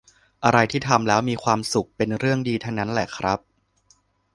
อะไรที่ทำแล้วมีความสุข เป็นเรื่องดีทั้งนั้นแหละครับ